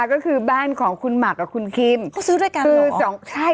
ก็คือบ้านของคุณหมากกับคุณคิมเขาซื้อด้วยกันคือสองใช่